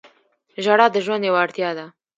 • ژړا د ژوند یوه اړتیا ده.